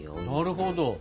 なるほど。